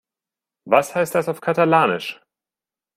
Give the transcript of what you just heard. Was heißt das auf Katalanisch?